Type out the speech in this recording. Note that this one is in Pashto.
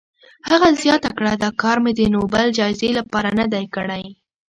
هغه زیاته کړه، دا کار مې د نوبل جایزې لپاره نه دی کړی.